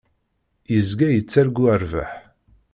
Yezga yettargu rrbeḥ.